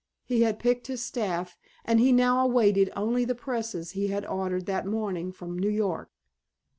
He had picked his staff and he now awaited only the presses he had ordered that morning from New York.